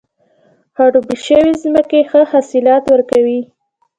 خړوبې شوې ځمکه ښه حاصلات ورکوي.